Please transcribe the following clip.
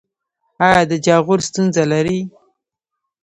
ایا د جاغور ستونزه لرئ؟